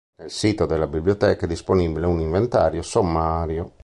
Nel sito della Biblioteca è disponibile un inventario sommario.